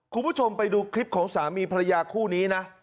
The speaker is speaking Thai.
คุณผู้ชมไปดูคลิปของสามีภรรยาคู่นี้นะ